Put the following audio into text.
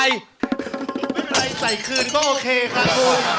ไม่เป็นไรใส่คืนก็โอเคค่ะคุณ